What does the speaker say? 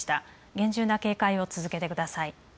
厳重な警戒を続けてください。